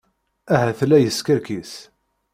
Ahat la yeskerkis.